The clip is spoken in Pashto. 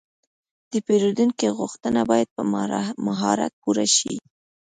د پیرودونکي غوښتنه باید په مهارت پوره شي.